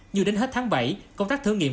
như đến hết tháng bảy công tác thử nghiệm